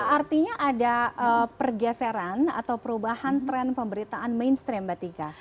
artinya ada pergeseran atau perubahan tren pemberitaan mainstream mbak tika